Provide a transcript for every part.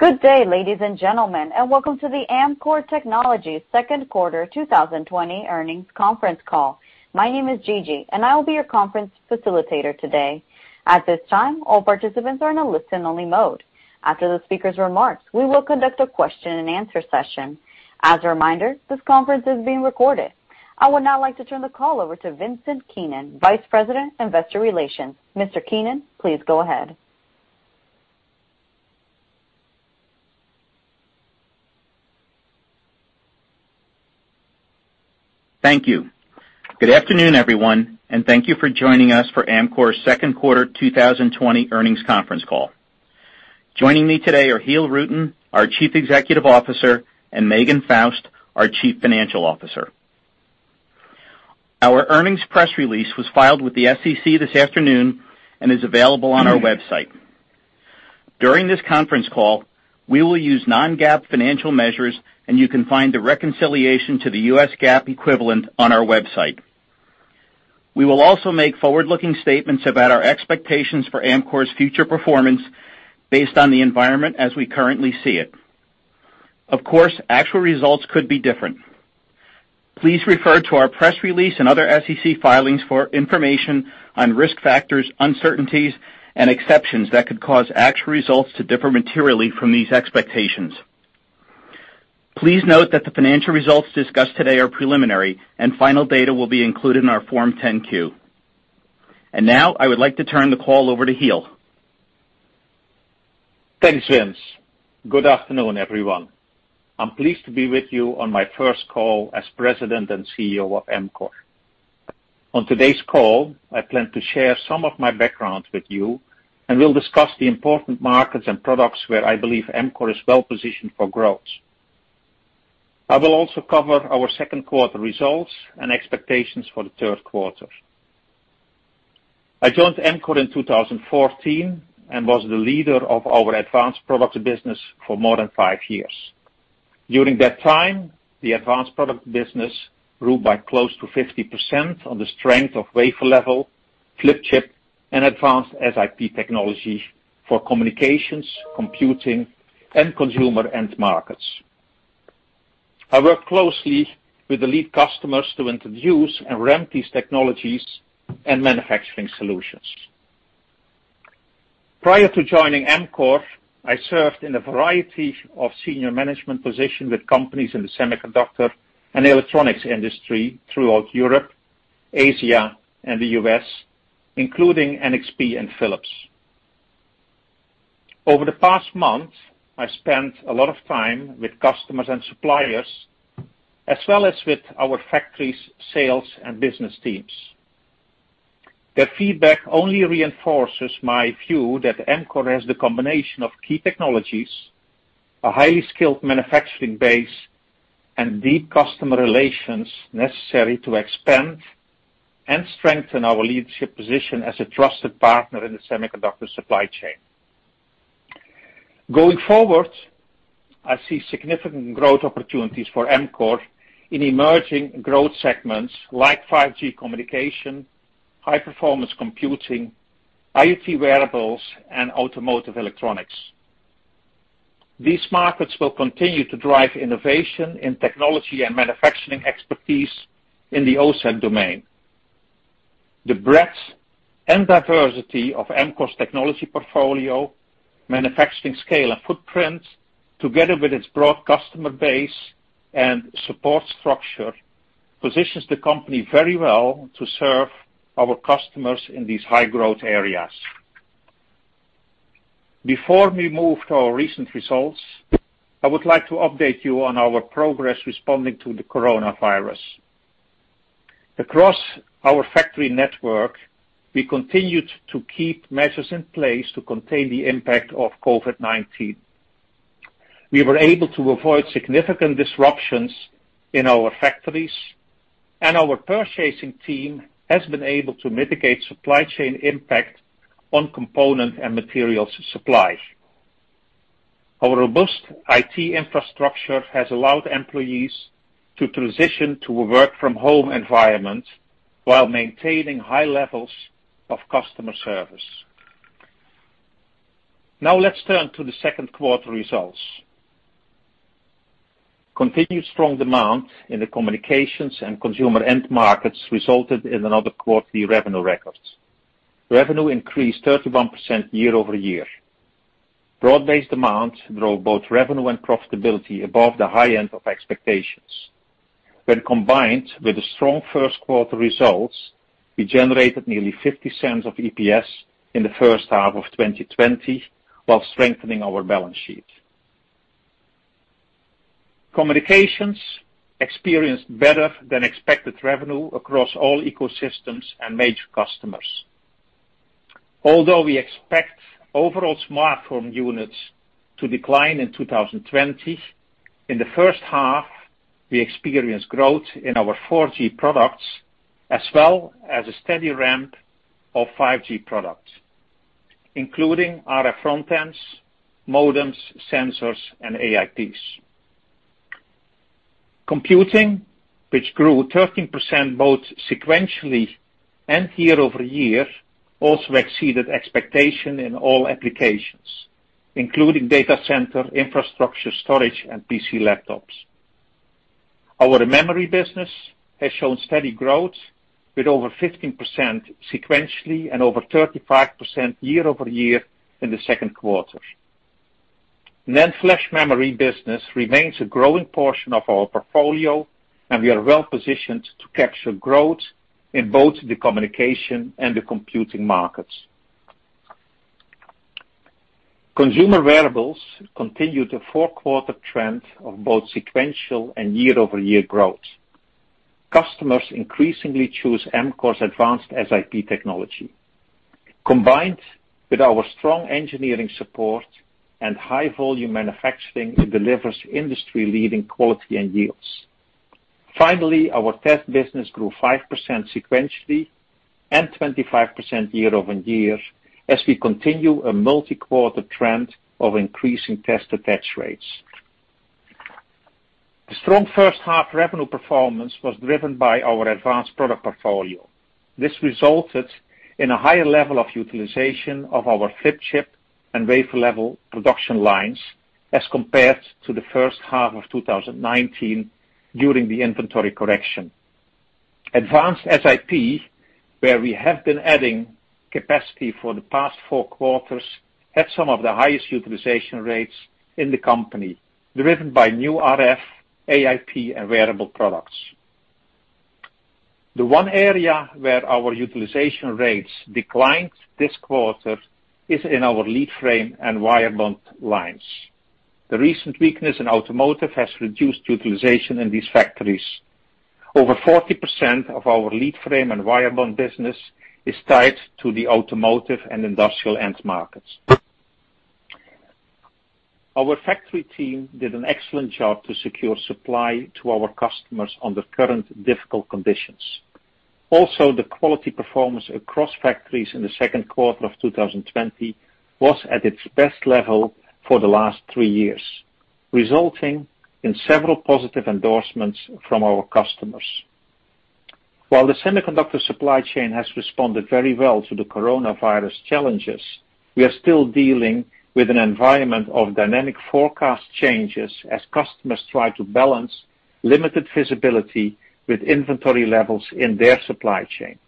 Good day, ladies and gentlemen, and welcome to the Amkor Technology second quarter 2020 earnings conference call. My name is Gigi, and I will be your conference facilitator today. At this time, all participants are in a listen-only mode. After the speakers' remarks, we will conduct a question and answer session. As a reminder, this conference is being recorded. I would now like to turn the call over to Vincent Keenan, Vice President, Investor Relations. Mr. Keenan, please go ahead. Thank you. Good afternoon, everyone, and thank you for joining us for Amkor's second quarter 2020 earnings conference call. Joining me today are Giel Rutten, our Chief Executive Officer, and Megan Faust, our Chief Financial Officer. Our earnings press release was filed with the SEC this afternoon and is available on our website. During this conference call, we will use non-GAAP financial measures, and you can find the reconciliation to the US GAAP equivalent on our website. We will also make forward-looking statements about our expectations for Amkor's future performance based on the environment as we currently see it. Of course, actual results could be different. Please refer to our press release and other SEC filings for information on risk factors, uncertainties, and exceptions that could cause actual results to differ materially from these expectations. Please note that the financial results discussed today are preliminary, and final data will be included in our Form 10-Q. Now, I would like to turn the call over to Giel. Thanks, Vince. Good afternoon, everyone. I'm pleased to be with you on my first call as President and CEO of Amkor. On today's call, I plan to share some of my background with you, and we'll discuss the important markets and products where I believe Amkor is well positioned for growth. I will also cover our second quarter results and expectations for the third quarter. I joined Amkor in 2014 and was the leader of our advanced products business for more than five years. During that time, the advanced products business grew by close to 50% on the strength of wafer level, flip chip, and advanced SiP technology for communications, computing, and consumer end markets. I worked closely with the lead customers to introduce and ramp these technologies and manufacturing solutions. Prior to joining Amkor, I served in a variety of senior management positions with companies in the semiconductor and the electronics industry throughout Europe, Asia, and the U.S., including NXP and Philips. Over the past month, I spent a lot of time with customers and suppliers, as well as with our factories, sales, and business teams. Their feedback only reinforces my view that Amkor has the combination of key technologies, a highly skilled manufacturing base, and deep customer relations necessary to expand and strengthen our leadership position as a trusted partner in the semiconductor supply chain. Going forward, I see significant growth opportunities for Amkor in emerging growth segments like 5G communication, high-performance computing, IoT wearables, and automotive electronics. These markets will continue to drive innovation in technology and manufacturing expertise in the OSAT domain. The breadth and diversity of Amkor's technology portfolio, manufacturing scale, and footprint, together with its broad customer base and support structure, positions the company very well to serve our customers in these high-growth areas. Before we move to our recent results, I would like to update you on our progress responding to the coronavirus. Across our factory network, we continued to keep measures in place to contain the impact of COVID-19. We were able to avoid significant disruptions in our factories, and our purchasing team has been able to mitigate supply chain impact on component and materials supply. Our robust IT infrastructure has allowed employees to transition to a work-from-home environment while maintaining high levels of customer service. Now, let's turn to the second quarter results. Continued strong demand in the communications and consumer end markets resulted in another quarterly revenue record. Revenue increased 31% year-over-year. Broad-based demand drove both revenue and profitability above the high end of expectations. When combined with the strong first quarter results, we generated nearly $0.50 of EPS in the first half of 2020 while strengthening our balance sheet. Communications experienced better than expected revenue across all ecosystems and major customers. Although we expect overall smartphone units to decline in 2020, in the first half, we experienced growth in our 4G products, as well as a steady ramp of 5G products, including RF frontends, modems, sensors, and AiPs. Computing, which grew 13% both sequentially and year-over-year, also exceeded expectation in all applications, including data center, infrastructure storage, and PC laptops. Our memory business has shown steady growth with over 15% sequentially and over 35% year-over-year in the second quarter. NAND flash memory business remains a growing portion of our portfolio, and we are well-positioned to capture growth in both the communication and the computing markets. Consumer wearables continued a four-quarter trend of both sequential and year-over-year growth. Customers increasingly choose Amkor's advanced SiP technology. Combined with our strong engineering support and high volume manufacturing, it delivers industry-leading quality and yields. Finally, our test business grew 5% sequentially and 25% year-over-year as we continue a multi-quarter trend of increasing test attach rates. The strong first half revenue performance was driven by our advanced product portfolio. This resulted in a higher level of utilization of our flip chip and wafer level production lines as compared to the first half of 2019 during the inventory correction. Advanced SiP, where we have been adding capacity for the past four quarters, had some of the highest utilization rates in the company, driven by new RF, AiP, and wearable products. The one area where our utilization rates declined this quarter is in our lead frame and wire bond lines. The recent weakness in automotive has reduced utilization in these factories. Over 40% of our lead frame and wire bond business is tied to the automotive and industrial end markets. Our factory team did an excellent job to secure supply to our customers under current difficult conditions. The quality performance across factories in the second quarter of 2020 was at its best level for the last three years, resulting in several positive endorsements from our customers. While the semiconductor supply chain has responded very well to the coronavirus challenges, we are still dealing with an environment of dynamic forecast changes as customers try to balance limited visibility with inventory levels in their supply chain.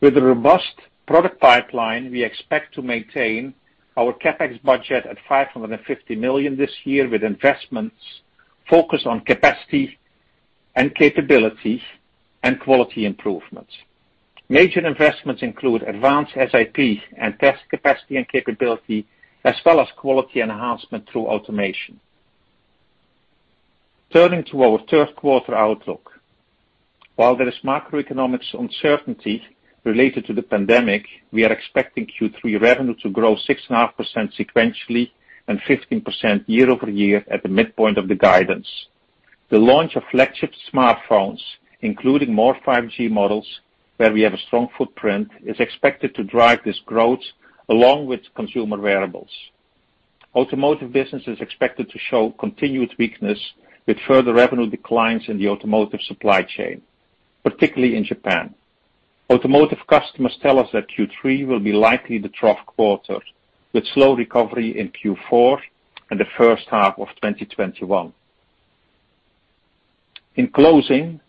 With a robust product pipeline, we expect to maintain our CapEx budget at $550 million this year, with investments focused on capacity and capability, and quality improvements. Major investments include advanced SiP and test capacity and capability, as well as quality enhancement through automation. Turning to our third quarter outlook. While there is macroeconomic uncertainty related to the pandemic, we are expecting Q3 revenue to grow 6.5% sequentially and 15% year-over-year at the midpoint of the guidance. The launch of flagship smartphones, including more 5G models where we have a strong footprint, is expected to drive this growth along with consumer wearables. Automotive business is expected to show continued weakness with further revenue declines in the automotive supply chain, particularly in Japan. Automotive customers tell us that Q3 will be likely the trough quarter, with slow recovery in Q4 and the first half of 2021. I'm confident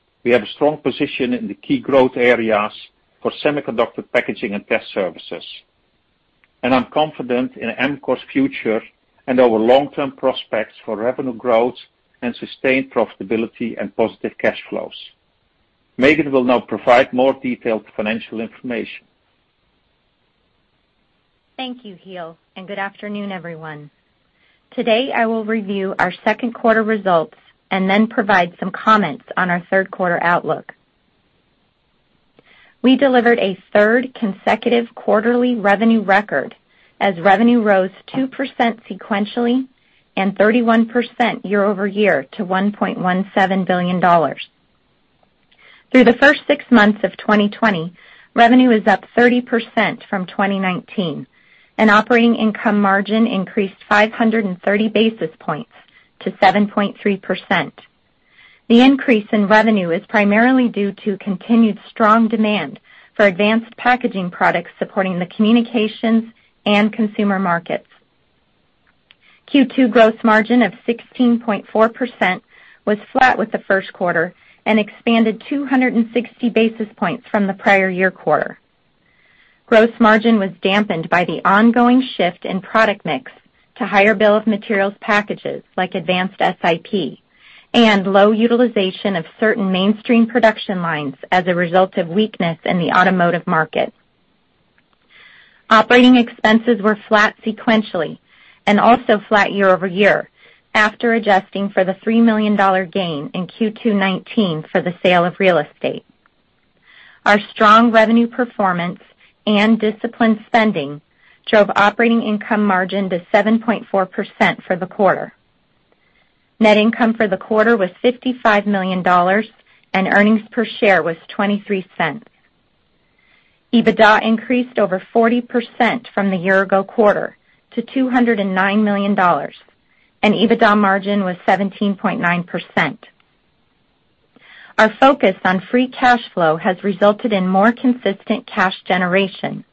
in Amkor's future and our long-term prospects for revenue growth and sustained profitability and positive cash flows. Megan will now provide more detailed financial information. Thank you, Giel, and good afternoon, everyone. Today, I will review our second quarter results and then provide some comments on our third quarter outlook. We delivered a third consecutive quarterly revenue record as revenue rose 2% sequentially and 31% year-over-year to $1.17 billion. Through the first six months of 2020, revenue is up 30% from 2019, and operating income margin increased 530 basis points to 7.3%. The increase in revenue is primarily due to continued strong demand for advanced packaging products supporting the communications and consumer markets. Q2 gross margin of 16.4% was flat with the first quarter and expanded 260 basis points from the prior year quarter. Gross margin was dampened by the ongoing shift in product mix to higher bill of materials packages like advanced SiP and low utilization of certain mainstream production lines as a result of weakness in the automotive market. Operating expenses were flat sequentially and also flat year-over-year after adjusting for the $3 million gain in Q2 2019 for the sale of real estate. Our strong revenue performance and disciplined spending drove operating income margin to 7.4% for the quarter. Net income for the quarter was $55 million, and earnings per share was $0.23. EBITDA increased over 40% from the year-ago quarter to $209 million, and EBITDA margin was 17.9%. Our focus on free cash flow has resulted in more consistent cash generation.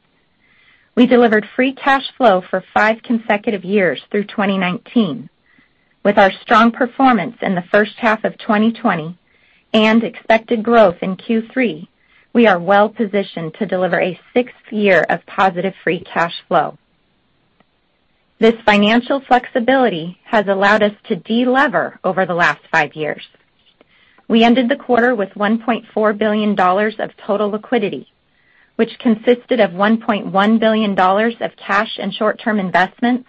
We delivered free cash flow for five consecutive years through 2019. With our strong performance in the first half of 2020 and expected growth in Q3, we are well-positioned to deliver a sixth year of positive free cash flow. This financial flexibility has allowed us to de-lever over the last five years. We ended the quarter with $1.4 billion of total liquidity, which consisted of $1.1 billion of cash and short-term investments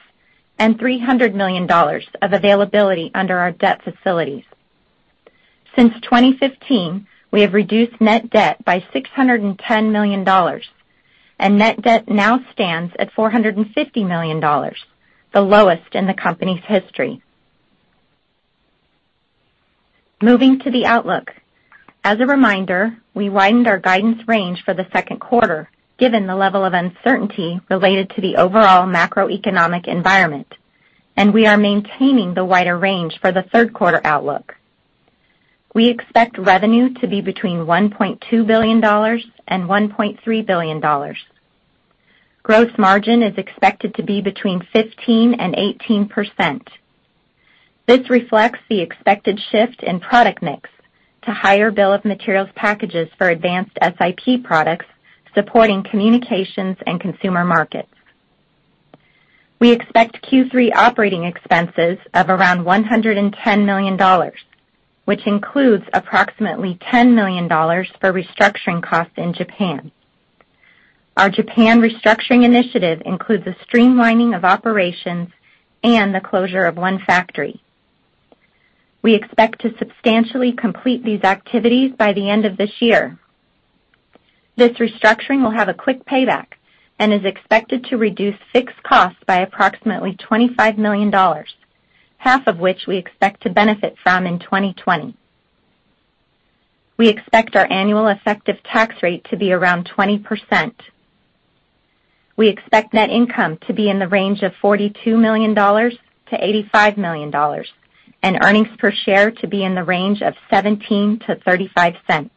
and $300 million of availability under our debt facilities. Since 2015, we have reduced net debt by $610 million, and net debt now stands at $450 million, the lowest in the company's history. Moving to the outlook. As a reminder, we widened our guidance range for the second quarter, given the level of uncertainty related to the overall macroeconomic environment, and we are maintaining the wider range for the third quarter outlook. We expect revenue to be between $1.2 billion and $1.3 billion. Gross margin is expected to be between 15% and 18%. This reflects the expected shift in product mix to higher bill of materials packages for advanced SiP products supporting communications and consumer markets. We expect Q3 operating expenses of around $110 million, which includes approximately $10 million for restructuring costs in Japan. Our Japan restructuring initiative includes a streamlining of operations and the closure of one factory. We expect to substantially complete these activities by the end of this year. This restructuring will have a quick payback and is expected to reduce fixed costs by approximately $25 million, half of which we expect to benefit from in 2020. We expect our annual effective tax rate to be around 20%. We expect net income to be in the range of $42 million-$85 million and earnings per share to be in the range of $0.17-$0.35.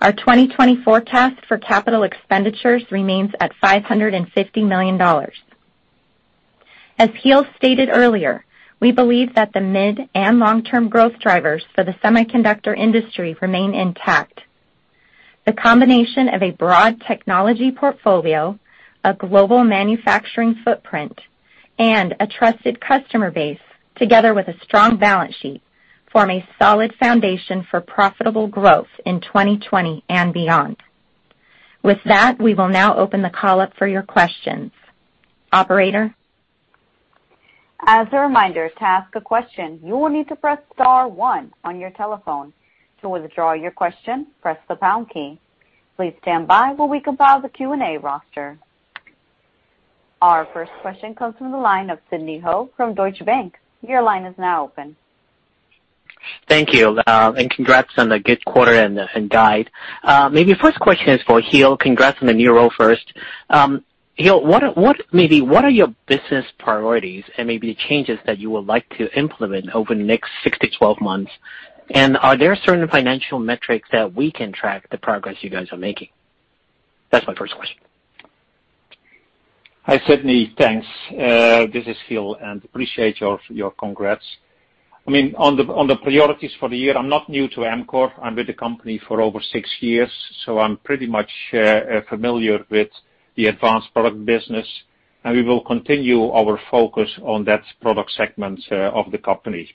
Our 2020 forecast for capital expenditures remains at $550 million. As Giel stated earlier, we believe that the mid- and long-term growth drivers for the semiconductor industry remain intact. The combination of a broad technology portfolio, a global manufacturing footprint, and a trusted customer base, together with a strong balance sheet, form a solid foundation for profitable growth in 2020 and beyond. With that, we will now open the call up for your questions. Operator? As a reminder, to ask a question, you will need to press star one on your telephone. To withdraw your question, press the pound key. Please stand by while we compile the Q&A roster. Our first question comes from the line of Sidney Ho from Deutsche Bank. Your line is now open. Thank you, and congrats on a good quarter and guide. Maybe first question is for Giel. Congrats on the new role first. Giel, what are your business priorities and maybe changes that you would like to implement over the next six to 12 months? Are there certain financial metrics that we can track the progress you guys are making? That's my first question. Hi, Sidney. Thanks. This is Giel, I appreciate your congrats. On the priorities for the year, I'm not new to Amkor. I'm with the company for over six years, I'm pretty much familiar with the advanced product business, and we will continue our focus on that product segment of the company.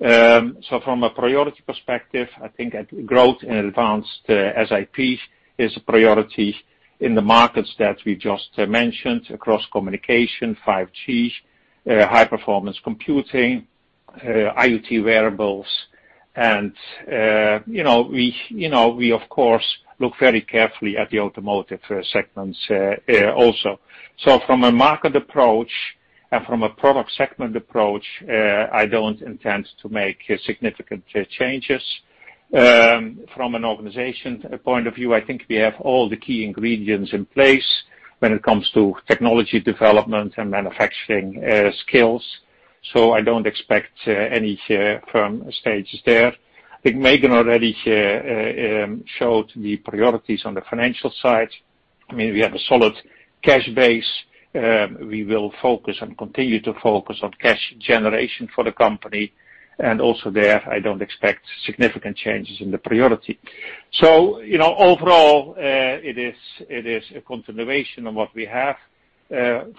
From a priority perspective, I think growth in advanced SiP is a priority in the markets that we just mentioned across communication, 5G, high-performance computing, IoT wearables, and we of course, look very carefully at the automotive segments also. From a market approach and from a product segment approach, I don't intend to make significant changes. From an organization point of view, I think we have all the key ingredients in place when it comes to technology development and manufacturing skills. I don't expect any firm changes there. I think Megan already showed the priorities on the financial side. We have a solid cash base. We will focus and continue to focus on cash generation for the company, and also there, I don't expect significant changes in the priority. Overall, it is a continuation of what we have.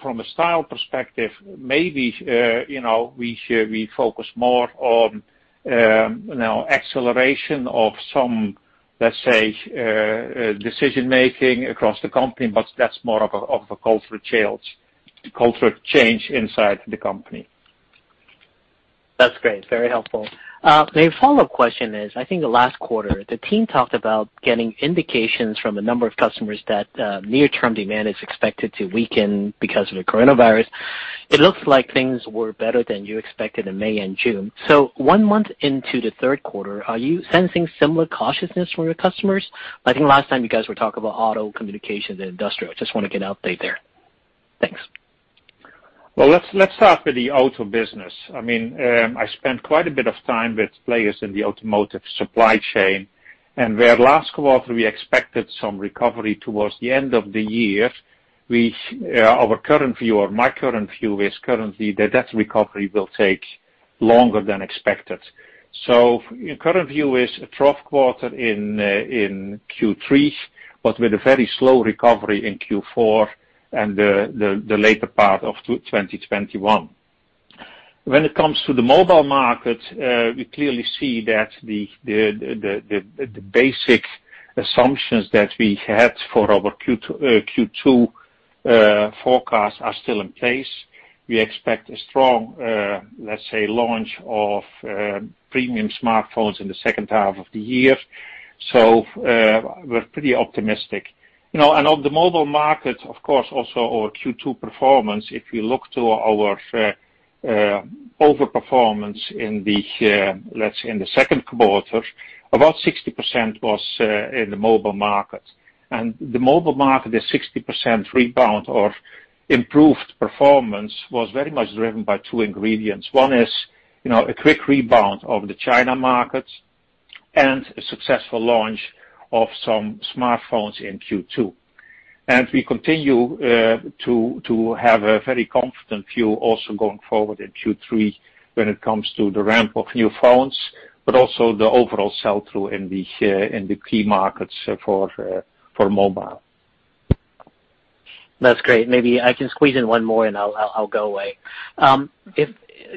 From a style perspective, maybe we focus more on acceleration of some, let's say, decision-making across the company, but that's more of a cultural change inside the company. That's great. Very helpful. My follow-up question is, I think last quarter, the team talked about getting indications from a number of customers that near-term demand is expected to weaken because of the coronavirus. It looks like things were better than you expected in May and June. One month into the third quarter, are you sensing similar cautiousness from your customers? I think last time you guys were talking about auto, communication, and industrial. Just want to get an update there. Thanks. Well, let's start with the auto business. I spent quite a bit of time with players in the automotive supply chain, and where last quarter we expected some recovery towards the end of the year, my current view is currently that that recovery will take longer than expected. Current view is a trough quarter in Q3, but with a very slow recovery in Q4 and the later part of 2021. When it comes to the mobile market, we clearly see that the basic assumptions that we had for our Q2 forecast are still in place. We expect a strong, let's say, launch of premium smartphones in the second half of the year. We're pretty optimistic. On the mobile market, of course, also our Q2 performance, if we look to our over-performance in the second quarter, about 60% was in the mobile market. The mobile market is 60% rebound or improved performance was very much driven by two ingredients. One is a quick rebound of the China market and a successful launch of some smartphones in Q2. We continue to have a very confident view also going forward in Q3 when it comes to the ramp of new phones, but also the overall sell-through in the key markets for mobile. That's great. Maybe I can squeeze in one more, and I'll go away.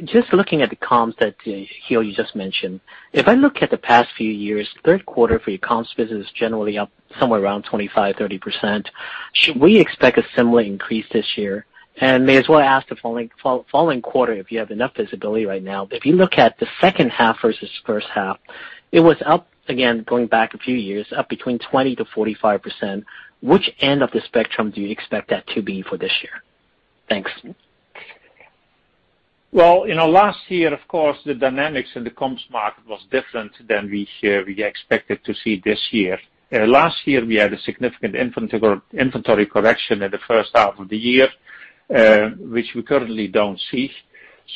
Just looking at the comms that, Giel, you just mentioned, if I look at the past few years, third quarter for your comms business is generally up somewhere around 25%-30%. Should we expect a similar increase this year? May as well ask the following quarter, if you have enough visibility right now. If you look at the second half versus first half, it was up, again, going back a few years, up between 20%-45%. Which end of the spectrum do you expect that to be for this year? Thanks. Well, last year, of course, the dynamics in the comms market was different than we expected to see this year. Last year, we had a significant inventory correction in the first half of the year, which we currently don't see.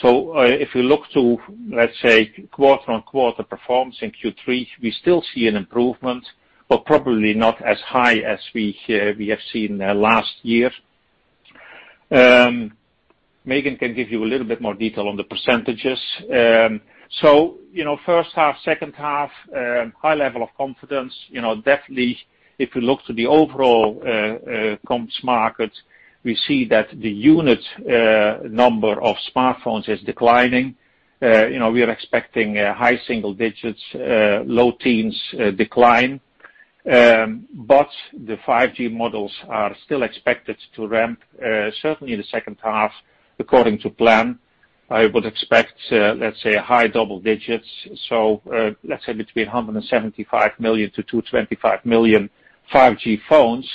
If we look to, let's say, quarter-on-quarter performance in Q3, we still see an improvement, but probably not as high as we have seen last year. Megan can give you a little bit more detail on the percentages. First half, second half, high level of confidence. Definitely, if we look to the overall comms market, we see that the unit number of smartphones is declining. We are expecting a high single digits, low teens decline. The 5G models are still expected to ramp, certainly in the second half, according to plan. I would expect, let's say, a high double digits, so let's say between 175 million-225 million 5G phones,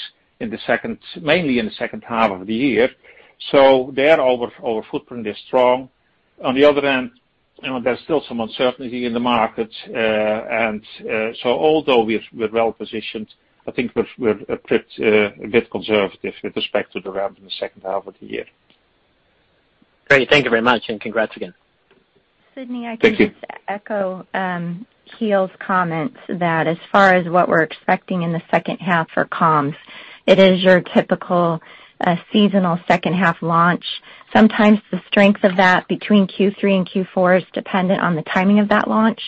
mainly in the second half of the year. There our footprint is strong. Although we're well positioned, I think we're a bit conservative with respect to the ramp in the second half of the year. Great. Thank you very much, and congrats again. Thank you. Sidney, I can just echo Giel's comments that as far as what we're expecting in the second half for comms, it is your typical seasonal second half launch. Sometimes the strength of that between Q3 and Q4 is dependent on the timing of that launch.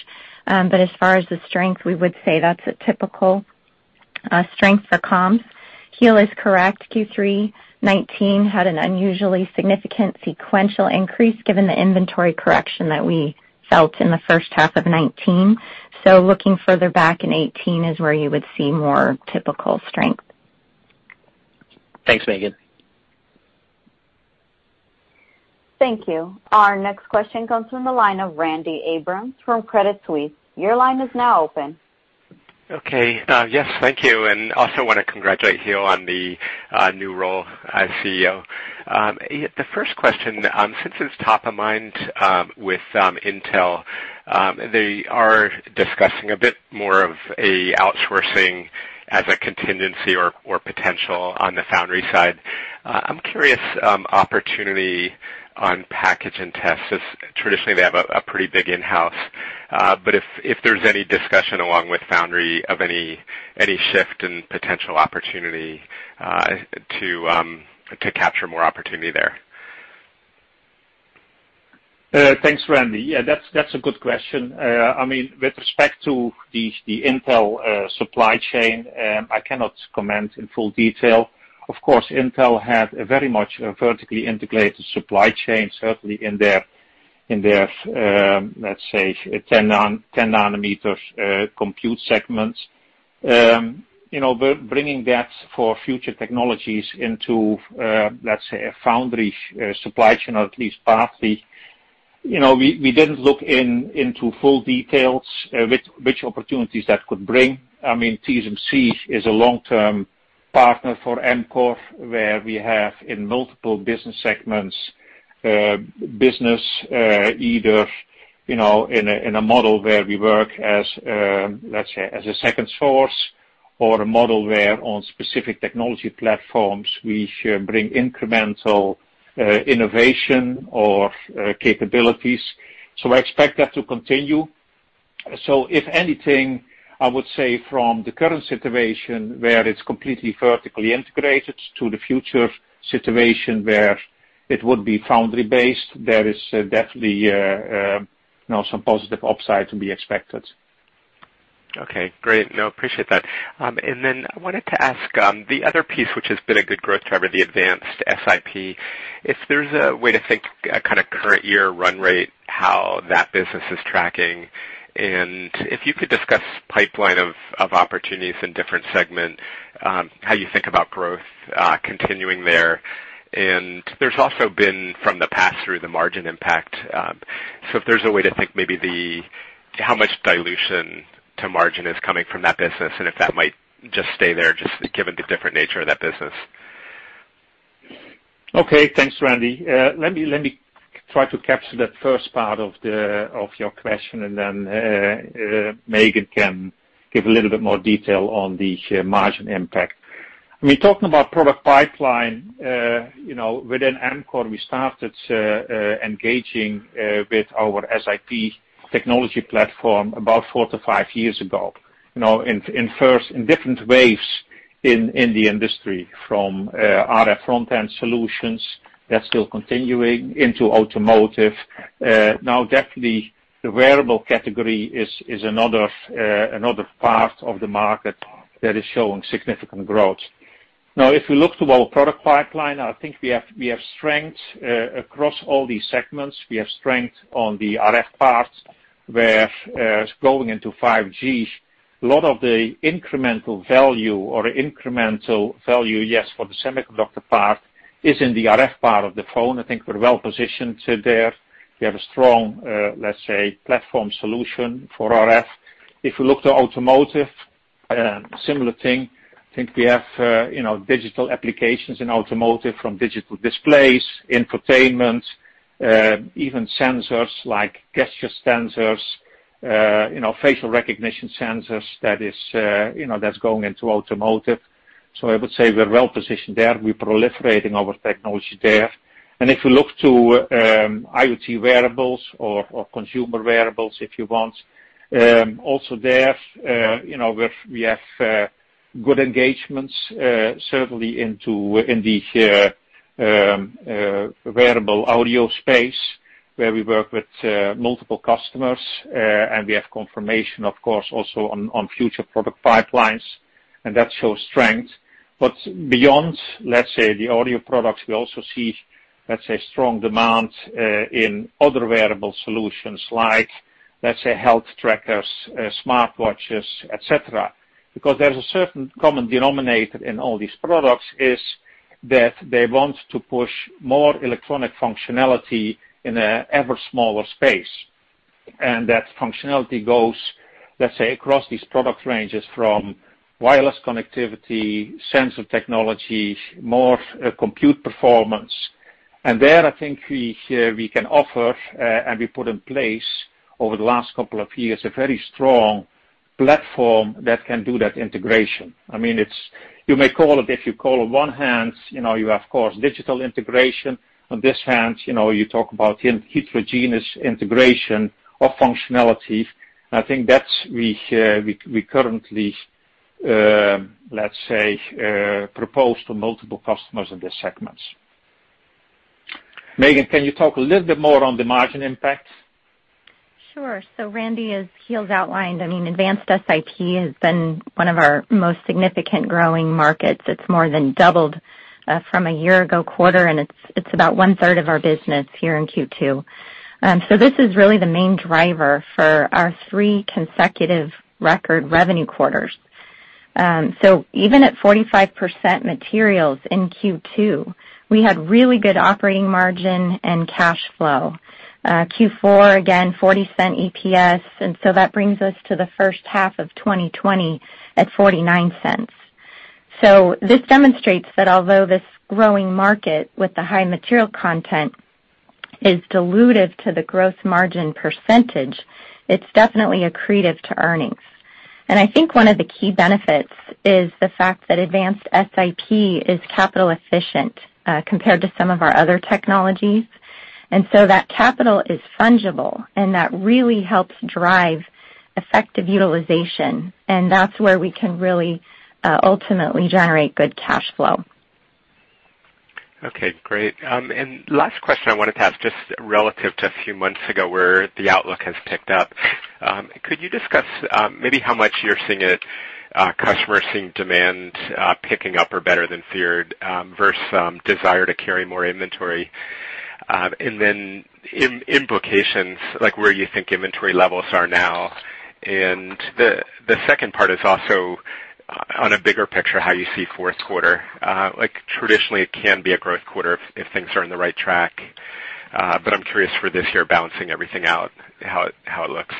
As far as the strength, we would say that's a typical strength for comms. Giel is correct. Q3 2019 had an unusually significant sequential increase given the inventory correction that we felt in the first half of 2019. Looking further back in 2018 is where you would see more typical strength. Thanks, Megan. Thank you. Our next question comes from the line of Randy Abrams from Credit Suisse. Your line is now open. Yes, thank you, and also want to congratulate Giel on the new role as CEO. The first question, since it is top of mind with Intel, they are discussing a bit more of a outsourcing as a contingency or potential on the foundry side. I am curious, opportunity on package and test, as traditionally they have a pretty big in-house. If there is any discussion along with foundry of any shift in potential opportunity to capture more opportunity there. Thanks, Randy. Yeah, that's a good question. With respect to the Intel supply chain, I cannot comment in full detail. Of course, Intel had a very much vertically integrated supply chain, certainly in their, let's say, 10 nm compute segments. Bringing that for future technologies into, let's say, a foundry supply chain, or at least partly. We didn't look into full details which opportunities that could bring. I mean, TSMC is a long-term partner for Amkor, where we have, in multiple business segments, business either in a model where we work as, let's say, as a second source or a model where on specific technology platforms, we bring incremental innovation or capabilities. I expect that to continue. If anything, I would say from the current situation where it's completely vertically integrated to the future situation where it would be foundry-based, there is definitely some positive upside to be expected. Okay, great. No, appreciate that. Then I wanted to ask, the other piece, which has been a good growth driver, the advanced SiP, if there's a way to think kind of current year run rate, how that business is tracking, if you could discuss pipeline of opportunities in different segment, how you think about growth continuing there. There's also been, from the pass through the margin impact, so if there's a way to think maybe how much dilution to margin is coming from that business, if that might just stay there, just given the different nature of that business? Okay. Thanks, Randy. Let me try to capture that first part of your question, and then Megan can give a little bit more detail on the margin impact. I mean, talking about product pipeline, within Amkor, we started engaging with our SiP technology platform about four to five years ago. In different waves in the industry from RF front-end solutions that's still continuing into automotive. Now, definitely, the wearable category is another part of the market that is showing significant growth. Now, if we look to our product pipeline, I think we have strengths across all these segments. We have strength on the RF parts, where it's going into 5G. A lot of the incremental value, yes, for the semiconductor part is in the RF part of the phone. I think we're well-positioned there. We have a strong, let's say, platform solution for RF. We look to automotive, similar thing. I think we have digital applications in automotive from digital displays, infotainment, even sensors like gesture sensors, facial recognition sensors that's going into automotive. I would say we're well-positioned there. We're proliferating our technology there. If we look to IoT wearables or consumer wearables, if you want, also there, we have good engagements certainly in the wearable audio space where we work with multiple customers, and we have confirmation, of course, also on future product pipelines, and that shows strength. Beyond, let's say, the audio products, we also see, let's say, strong demand in other wearable solutions like, let's say, health trackers, smartwatches, et cetera. There's a certain common denominator in all these products is that they want to push more electronic functionality in an ever smaller space. That functionality goes, let's say, across these product ranges from wireless connectivity, sensor technology, more compute performance. There, I think we can offer, and we put in place over the last couple of years, a very strong platform that can do that integration. I mean, you may call it, if you call it one hand, you have, of course, digital integration. On this hand, you talk about heterogeneous integration of functionality, and I think that we currently, let's say, propose to multiple customers in these segments. Megan, can you talk a little bit more on the margin impact? Sure. Randy, as Giel's outlined, I mean, advanced SiP has been one of our most significant growing markets. It's more than doubled from a year ago quarter, and it's about one-third of our business here in Q2. This is really the main driver for our three consecutive record revenue quarters. Even at 45% materials in Q2, we had really good operating margin and cash flow. Q4, again, $0.40 EPS, that brings us to the first half of 2020 at $0.49. This demonstrates that although this growing market with the high material content is dilutive to the gross margin percentage, it's definitely accretive to earnings. I think one of the key benefits is the fact that advanced SiP is capital efficient compared to some of our other technologies. That capital is fungible, and that really helps drive effective utilization, and that's where we can really ultimately generate good cash flow. Okay, great. Last question I wanted to ask, just relative to a few months ago where the outlook has picked up. Could you discuss maybe how much you're seeing customers seeing demand picking up or better than feared versus desire to carry more inventory? Then implications, like where you think inventory levels are now. The second part is also on a bigger picture, how you see fourth quarter. Traditionally, it can be a growth quarter if things are in the right track. But I'm curious for this year, balancing everything out, how it looks?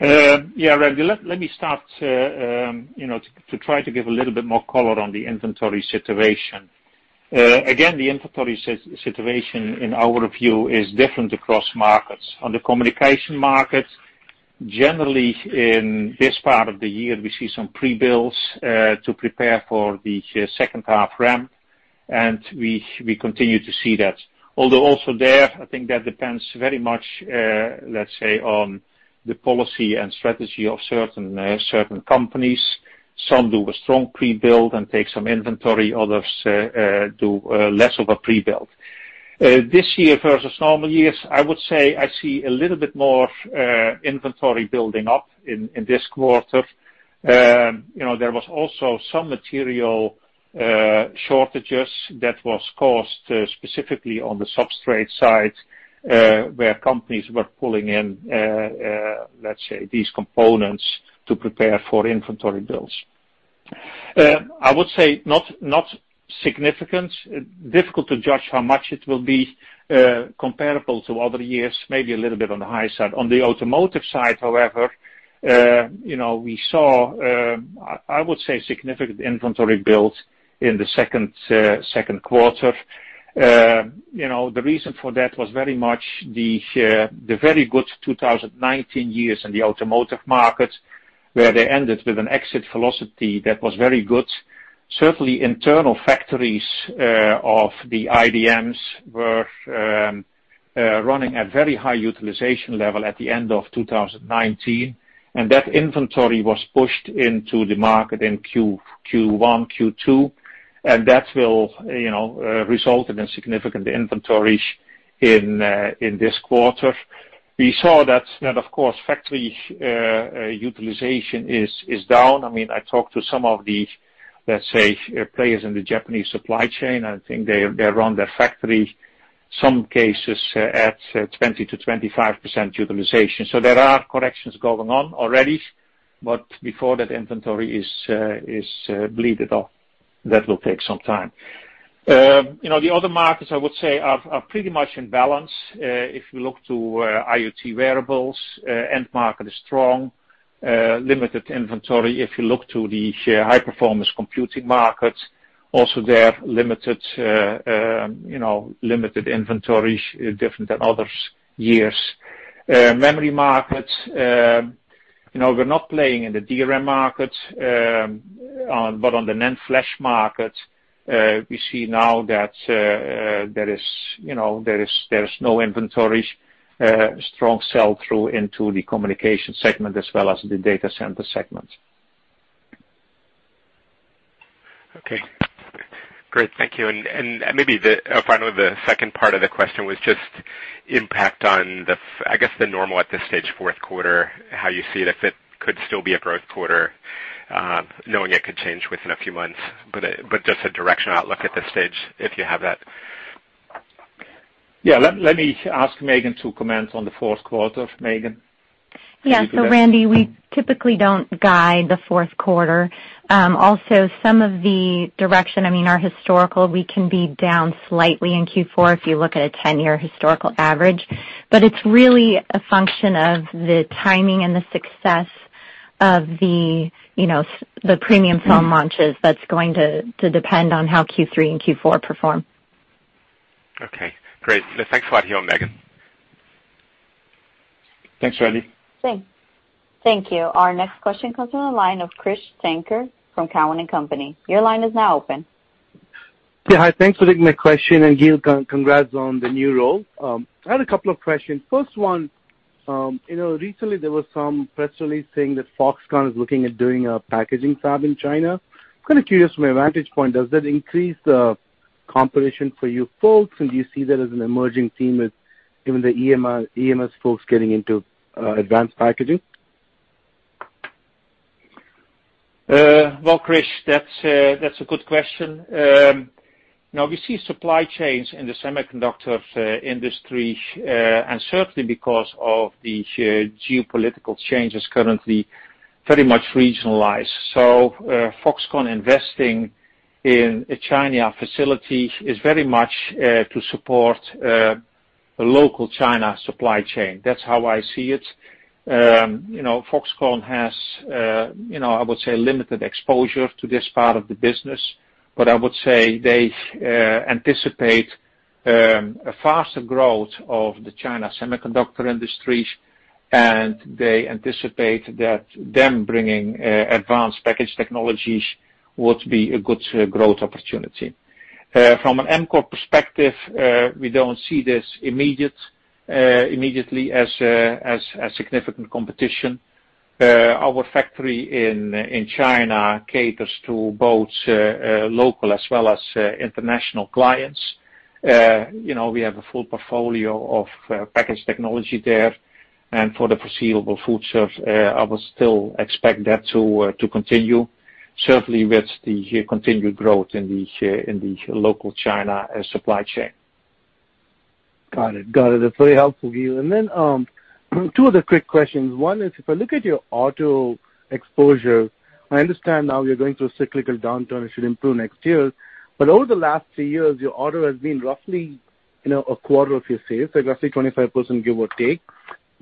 Yeah, Randy. Let me start to try to give a little bit more color on the inventory situation. Again, the inventory situation, in our view, is different across markets. On the communication market, generally, in this part of the year, we see some pre-builds, to prepare for the second half ramp, and we continue to see that. Although also there, I think that depends very much, let's say, on the policy and strategy of certain companies. Some do a strong pre-build and take some inventory. Others do less of a pre-build. This year versus normal years, I would say I see a little bit more inventory building up in this quarter. There was also some material shortages that was caused specifically on the substrate side, where companies were pulling in, let's say, these components to prepare for inventory builds. I would say not significant. Difficult to judge how much it will be comparable to other years, maybe a little bit on the high side. On the automotive side, however, we saw, I would say, significant inventory build in the second quarter. The reason for that was very much the very good 2019 years in the automotive market, where they ended with an exit velocity that was very good. Certainly, internal factories of the IDMs were running a very high utilization level at the end of 2019, and that inventory was pushed into the market in Q1, Q2, and that will result in a significant inventory in this quarter. We saw that, of course, factory utilization is down. I talked to some of the, let's say, players in the Japanese supply chain. I think they run their factory, some cases, at 20%-25% utilization. There are corrections going on already. Before that inventory is bled off, that will take some time. The other markets, I would say, are pretty much in balance. If you look to IoT wearables, end market is strong, limited inventory. If you look to the high-performance computing market, also there, limited inventory, different than other years. Memory market, we're not playing in the DRAM market, but on the NAND flash market, we see now that there is no inventory, strong sell-through into the communication segment as well as the data center segment. Okay. Great. Thank you. Maybe finally, the second part of the question was just impact on the, I guess, the normal at this stage, fourth quarter, how you see it, if it could still be a growth quarter, knowing it could change within a few months, but just a directional outlook at this stage, if you have that. Yeah. Let me ask Megan to comment on the fourth quarter. Megan? Yeah. Randy, we typically don't guide the fourth quarter. Also, some of the direction, our historical, we can be down slightly in Q4 if you look at a 10-year historical average, but it's really a function of the timing and the success of the premium phone launches that's going to depend on how Q3 and Q4 perform. Okay, great. Thanks a lot here, Megan. Thanks, Randy. Thanks. Thank you. Our next question comes from the line of Krish Sankar from Cowen and Company. Your line is now open. Yeah. Hi. Thanks for taking my question, and Giel, congrats on the new role. I had a couple of questions. First one, recently there was some press release saying that Foxconn is looking at doing a packaging fab in China. Kind of curious from your vantage point, does that increase the competition for you folks, and do you see that as an emerging theme as even the EMS folks getting into advanced packaging? Well, Krish, that's a good question. We see supply chains in the semiconductor industry, and certainly because of the geopolitical changes currently pretty much regionalized. Foxconn investing in a China facility is very much to support a local China supply chain. That's how I see it. Foxconn has, I would say, limited exposure to this part of the business, but I would say they anticipate a faster growth of the China semiconductor industry, and they anticipate that them bringing advanced package technologies would be a good growth opportunity. From an Amkor perspective, we don't see this immediately as a significant competition. Our factory in China caters to both local as well as international clients. We have a full portfolio of package technology there, and for the foreseeable future, I would still expect that to continue, certainly with the continued growth in the local China supply chain. Got it. That's very helpful, Giel. Two other quick questions. One is, if I look at your auto exposure, I understand now you're going through a cyclical downturn, it should improve next year. Over the last three years, your auto has been roughly a quarter of your sales, so roughly 25%, give or take.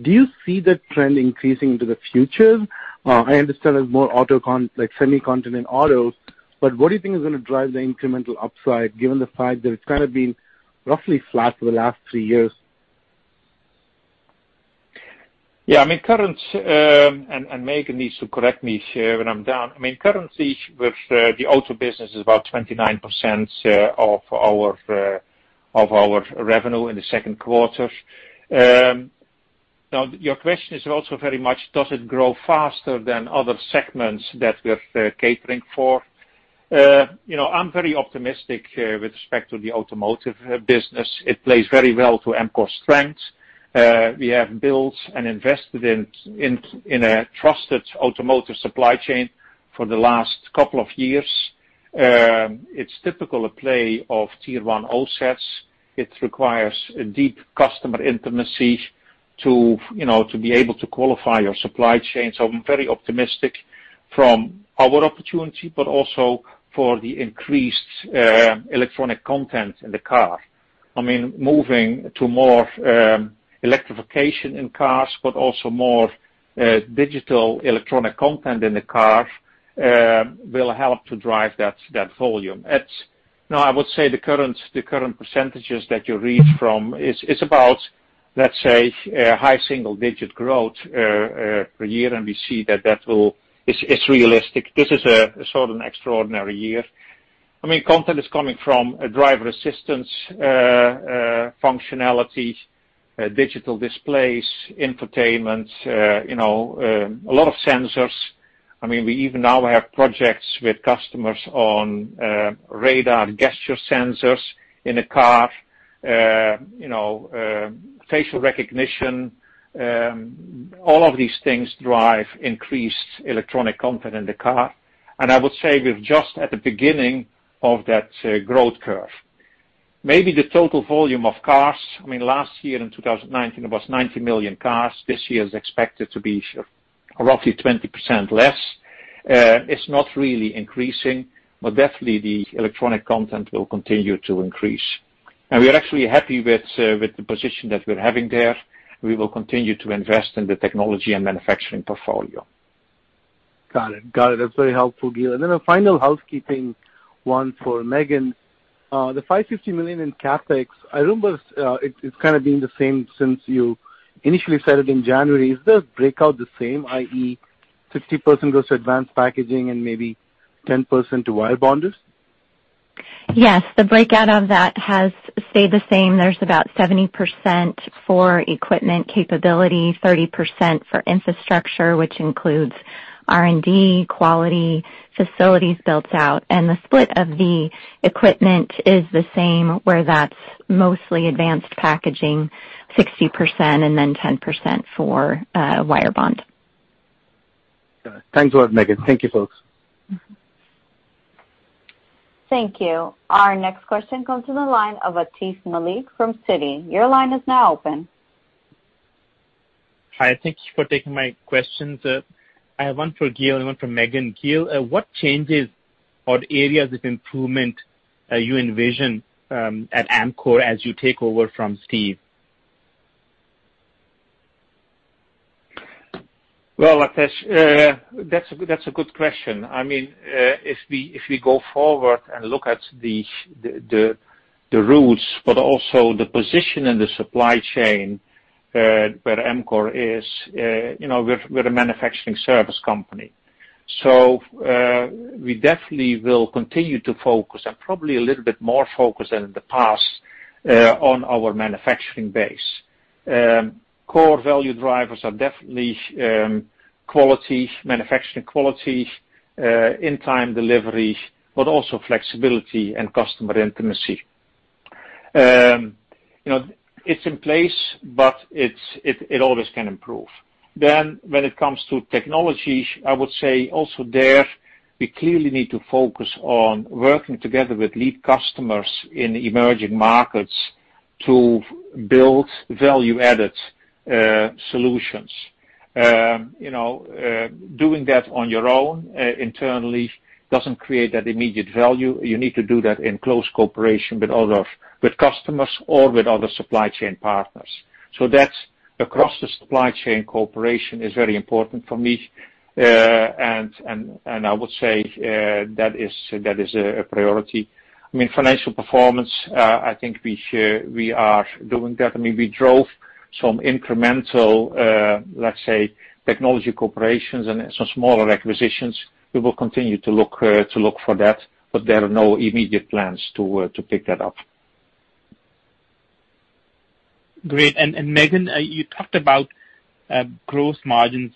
Do you see that trend increasing into the future? I understand there's more auto, like semiconductor in autos, but what do you think is going to drive the incremental upside given the fact that it's kind of been roughly flat for the last three years? Yeah. Megan needs to correct me here when I'm down. Currently, with the auto business is about 29% of our revenue in the second quarter. Your question is also very much does it grow faster than other segments that we're catering for? I'm very optimistic with respect to the automotive business. It plays very well to Amkor's strength. We have built and invested in a trusted automotive supply chain for the last couple of years. It's typical a play of Tier 1 OSATs. It requires a deep customer intimacy to be able to qualify your supply chain. I'm very optimistic from our opportunity, but also for the increased electronic content in the car. Moving to more electrification in cars, but also more digital electronic content in the car, will help to drive that volume. Now, I would say the current percentages that you read from is about, let's say, a high single-digit growth per year, and we see that it's realistic. This is a sort of extraordinary year. Content is coming from driver assistance functionality, digital displays, infotainment, a lot of sensors. We even now have projects with customers on radar gesture sensors in a car, facial recognition. All of these things drive increased electronic content in the car, and I would say we're just at the beginning of that growth curve. Maybe the total volume of cars, last year in 2019, it was 90 million cars. This year is expected to be roughly 20% less. It's not really increasing, but definitely the electronic content will continue to increase. We are actually happy with the position that we're having there. We will continue to invest in the technology and manufacturing portfolio. Got it. That's very helpful, Giel. Then a final housekeeping one for Megan. The $550 million in CapEx, I remember it's kind of been the same since you initially said it in January. Is the breakout the same, i.e., 60% goes to advanced packaging and maybe 10% to wire bonders? Yes. The breakout of that has stayed the same. There's about 70% for equipment capability, 30% for infrastructure, which includes R&D, quality, facilities built out. The split of the equipment is the same, where that's mostly advanced packaging, 60%, and then 10% for wire bond. Got it. Thanks a lot, Megan. Thank you, folks. Thank you. Our next question comes from the line of Atif Malik from Citi. Your line is now open. Hi, thank you for taking my questions. I have one for Giel and one for Megan. Giel, what changes or areas of improvement you envision at Amkor as you take over from Steve? Well, Atif, that's a good question. If we go forward and look at the roots but also the position in the supply chain, where Amkor is, we're a manufacturing service company. We definitely will continue to focus, and probably a little bit more focus than in the past, on our manufacturing base. Core value drivers are definitely quality, manufacturing quality, in-time delivery, but also flexibility and customer intimacy. It's in place, but it always can improve. When it comes to technology, I would say also there, we clearly need to focus on working together with lead customers in emerging markets to build value-added solutions. Doing that on your own internally doesn't create that immediate value. You need to do that in close cooperation with customers or with other supply chain partners. That's across the supply chain cooperation is very important for me, and I would say that is a priority. Financial performance, I think we are doing that. We drove some incremental, let's say, technology cooperations and some smaller acquisitions. We will continue to look for that, but there are no immediate plans to pick that up. Great. Megan, you talked about gross margins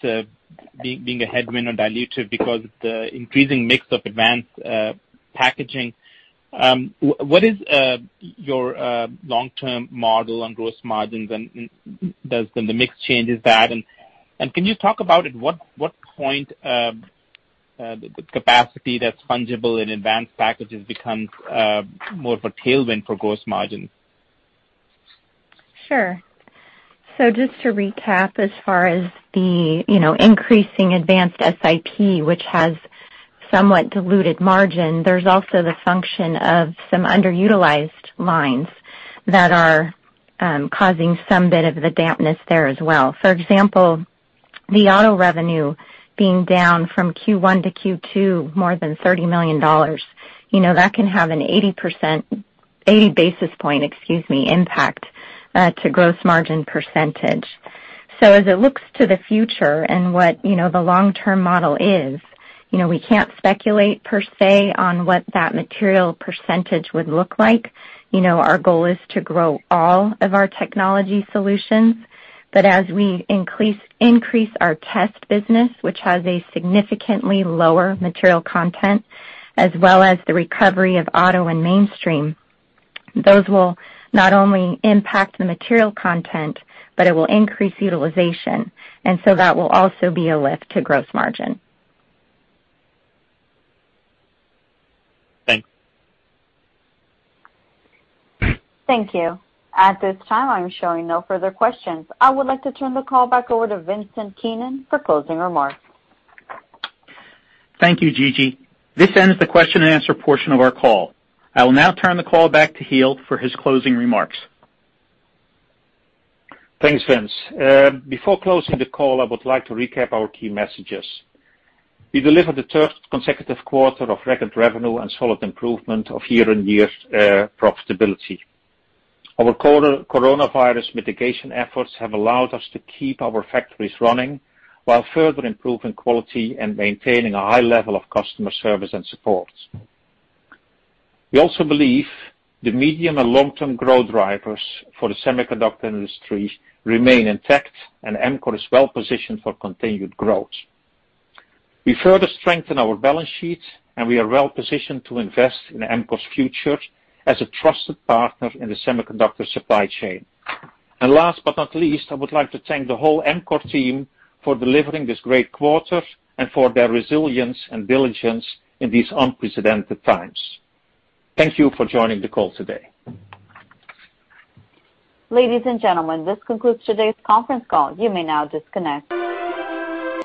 being a headwind or dilutive because of the increasing mix of advanced packaging. What is your long-term model on gross margins and does the mix change that? Can you talk about at what point the capacity that's fungible in advanced packages becomes more of a tailwind for gross margin? Just to recap, as far as the increasing advanced SiP, which has somewhat diluted margin, there's also the function of some underutilized lines that are causing some bit of the dampness there as well. For example, the auto revenue being down from Q1 to Q2 more than $30 million, that can have an 80 basis point impact to gross margin percentage. As it looks to the future and what the long-term model is, we can't speculate per se on what that material percentage would look like. Our goal is to grow all of our technology solutions, but as we increase our test business, which has a significantly lower material content, as well as the recovery of auto and mainstream, those will not only impact the material content, but it will increase utilization, and so that will also be a lift to gross margin. Thanks. Thank you. At this time, I'm showing no further questions. I would like to turn the call back over to Vincent Keenan for closing remarks. Thank you, Gigi. This ends the question and answer portion of our call. I will now turn the call back to Giel for his closing remarks. Thanks, Vince. Before closing the call, I would like to recap our key messages. We delivered the third consecutive quarter of record revenue and solid improvement of year-on-year profitability. Our coronavirus mitigation efforts have allowed us to keep our factories running while further improving quality and maintaining a high level of customer service and support. We also believe the medium and long-term growth drivers for the semiconductor industry remain intact, and Amkor is well-positioned for continued growth. We further strengthen our balance sheet, we are well-positioned to invest in Amkor's future as a trusted partner in the semiconductor supply chain. Last but not least, I would like to thank the whole Amkor team for delivering this great quarter and for their resilience and diligence in these unprecedented times. Thank you for joining the call today. Ladies and gentlemen, this concludes today's conference call. You may now disconnect.